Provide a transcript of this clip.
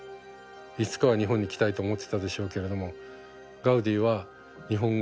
いつかは日本に来たいと思ってたでしょうけれどもガウディは日本語を知らない。